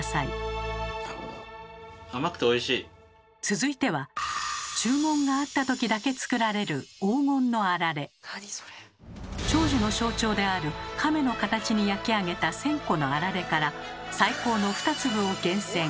続いては注文があった時だけ作られる長寿の象徴である亀の形に焼き上げた１，０００個のあられから最高の２粒を厳選。